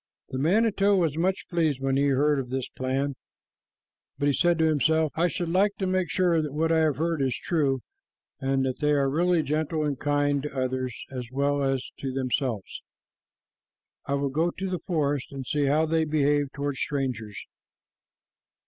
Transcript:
The manito was much pleased when he heard of this plan, but he said to himself, "I should like to make sure that what I have heard is true, and that they are really gentle and kind to others as well as to themselves. I will go to the forest and see how they behave toward strangers."